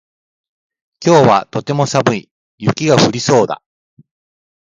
今日はとても寒い。雪が降りそうだ。